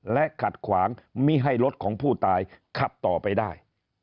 และขัดขวางไม่ให้รถของผู้ตายขับต่อไปได้